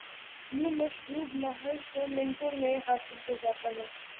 یوں مشروب محض دومنٹوں میں حاصل ہوجاتا ہے۔